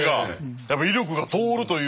やっぱ威力が通るという。